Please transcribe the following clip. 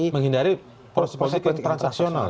menghindari proses politik yang transaksional